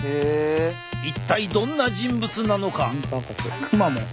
一体どんな人物なのか？